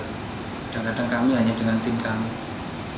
kadang kadang kami hanya dengan tim kami